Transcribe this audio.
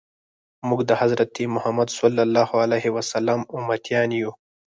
موږ د حضرت محمد صلی الله علیه وسلم امتیان یو.